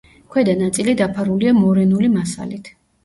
ქვედა ნაწილი დაფარულია მორენული მასალით.